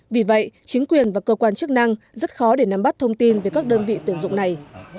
vì vậy chính quyền và cơ quan chức năng rất khó để nắm bắt thông tin về các đơn vị tuyển dụng này